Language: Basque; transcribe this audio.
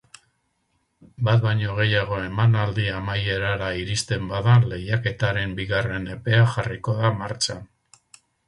Bat baino gehiago emanaldi amaierara iristen bada lehiaketaren bigarren epea jarriko da martxan.